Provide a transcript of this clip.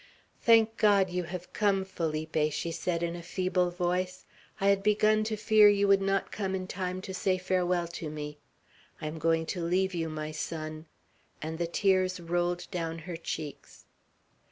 "Thank God! you have come, Felipe," she said in a feeble voice. "I had begun to fear you would not come in time to say farewell to me. I am going to leave you, my son;" and the tears rolled down her cheeks.